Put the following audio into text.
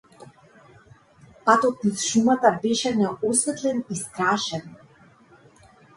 Патот низ шумата беше неосветлен и страшен.